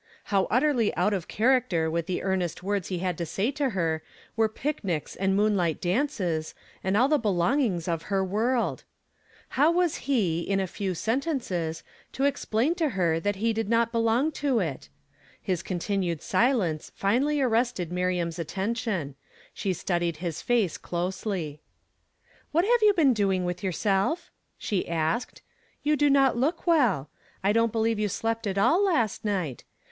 How utterly out of character with the earnest words lie had to say to her were picnics and moonlig ht dances and all the belongings of her world ! How was he, in a few sentences, to ex plain to her that he did not belong to it? His continued silence finally arrested Miriam's atten tion ; she studied his face closely. " Wliat have you been doing with youi self ?" she asked; "you do not look well. I don't believe you slept at all last night.